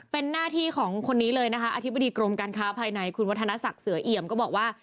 เป็นหน้าที่ของคนนี้เลยนะคะอธิบดีกรมการค้าภายในคุณวัฒนศักดิ์เสือเอี่ยมก็บอกว่า